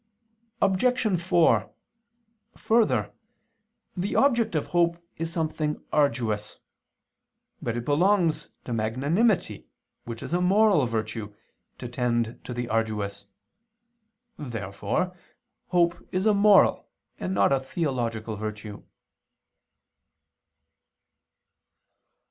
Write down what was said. Obj. 4: Further, the object of hope is something arduous. But it belongs to magnanimity, which is a moral virtue, to tend to the arduous. Therefore hope is a moral, and not a theological virtue.